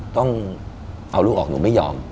ต้องเอาลูกออกหนูไม่ยอม